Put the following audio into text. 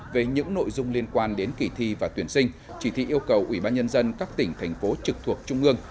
về những nội dung liên quan đến kỳ thi và tuyển sinh chỉ thị yêu cầu ủy ban nhân dân các tỉnh thành phố trực thuộc trung ương